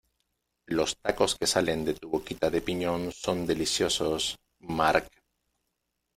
Los tacos que salen de tu boquita de piñón son deliciosos, Marc.